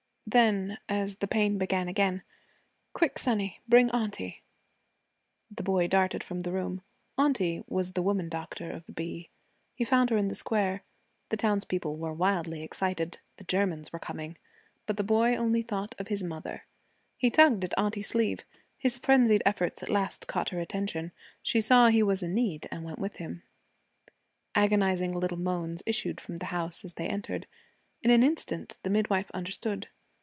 Then as the pain began again, 'Quick, sonny, bring auntie.' The boy darted from the room. Auntie was the woman doctor of B. He found her in the Square. The townspeople were wildly excited. The Germans were coming. But the boy thought only of his mother. He tugged at auntie's sleeve. His frenzied efforts at last caught her attention. She saw he was in need and went with him. Agonizing little moans issued from the house as they entered. In an instant the midwife understood.